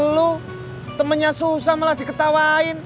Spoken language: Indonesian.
lu temennya susah malah diketawain